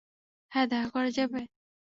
হ্যাঁ, দেখা করা যাবে?